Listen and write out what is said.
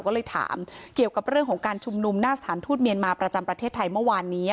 ก็เลยถามเกี่ยวกับเรื่องของการชุมนุมหน้าสถานทูตเมียนมาประจำประเทศไทยเมื่อวานนี้